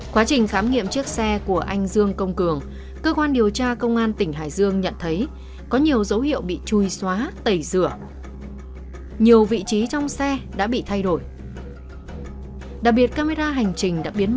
quá trình ra soát xác minh xung quanh nơi phát hiện chiếc xe ô tô của nạn nhân